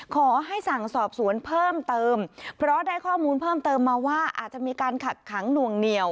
ขอให้สั่งสอบสวนเพิ่มเติมเพราะได้ข้อมูลเพิ่มเติมมาว่าอาจจะมีการขัดขังหน่วงเหนียว